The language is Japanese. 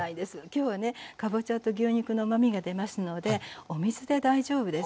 きょうはねかぼちゃと牛肉のうまみが出ますのでお水で大丈夫です。